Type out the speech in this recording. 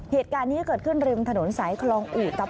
เหตุการณ์นี้เกิดขึ้นริมถนนสายคลองอู่